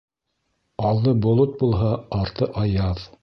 Алды болот булһа, арты аяҙ.